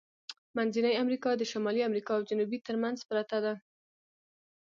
منځنۍ امریکا د شمالی امریکا او جنوبي ترمنځ پرته ده.